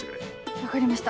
分かりました。